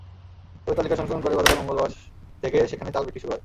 তবে তালিকা সংশোধন করে গতকাল মঙ্গলবার থেকে সেখানে চাল বিক্রি শুরু হয়।